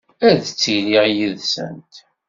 Ad ttiliɣ yid-sent.